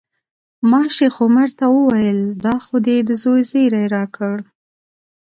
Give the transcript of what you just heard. ما شیخ عمر ته وویل دا خو دې د زوی زیری راکړ.